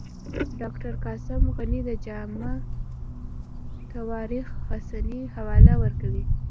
ډاکټر قاسم غني د جامع التواریخ حسني حواله ورکوي.